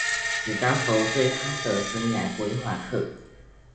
史丹佛最夯的生涯規畫課